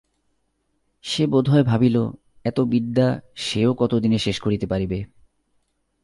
সে বোধ হয় ভাবিল, এত বিদ্যা সেও কত দিনে শেষ করিতে পারিবে।